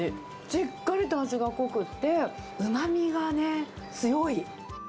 しっかりと味が濃くって、うまみがね、強い。